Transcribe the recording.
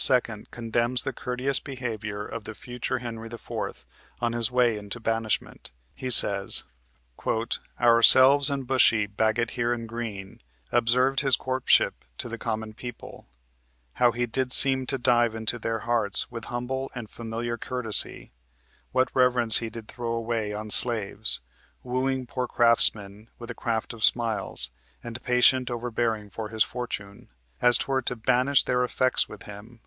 condemns the courteous behavior of the future Henry IV. on his way into banishment. He says: "Ourselves, and Bushy, Bagot here and Green Observed his courtship to the common people; How he did seem to dive into their hearts With humble and familiar courtesy; What reverence he did throw away on slaves; Wooing poor craftsmen with the craft of smiles And patient overbearing of his fortune, As 'twere to banish their effects with him.